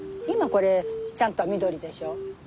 今これちゃんと緑でしょ。